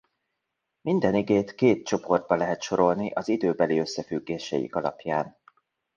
Minden igét két csoportba lehet sorolni az időbeli összefüggéseik alapján.